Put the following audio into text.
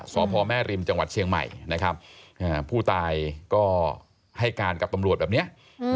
สพแม่ริมจังหวัดเชียงใหม่นะครับผู้ตายก็ให้การกับตำรวจแบบนี้